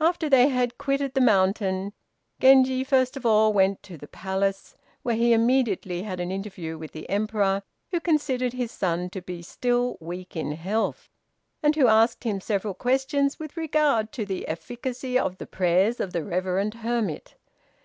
After they had quitted the mountain, Genji first of all went to the Palace, where he immediately had an interview with the Emperor, who considered his son to be still weak in health; and who asked him several questions with regard to the efficacy of the prayers of the reverend hermit.